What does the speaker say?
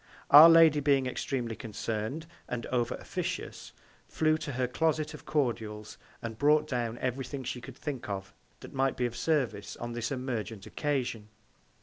Our Lady being extremely concern'd, and over officious, flew to her Closet of Cordials, and brought down every Thing she could think of that might be of Service on this emergent Occasion.